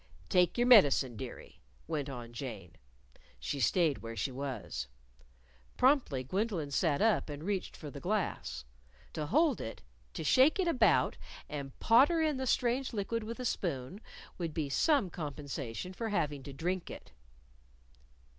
"Take your medicine, dearie," went on Jane. She stayed where she was. Promptly, Gwendolyn sat up and reached for the glass. To hold it, to shake it about and potter in the strange liquid with a spoon, would be some compensation for having to drink it.